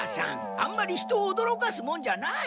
あんまり人をおどろかすもんじゃない。